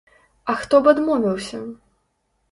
А хто б адмовіўся?